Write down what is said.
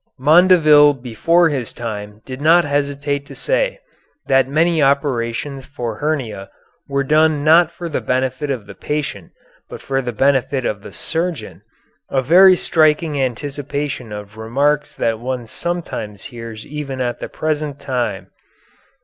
Mondeville before his time did not hesitate to say that many operations for hernia were done not for the benefit of the patient, but for the benefit of the surgeon, a very striking anticipation of remarks that one sometimes hears even at the present time.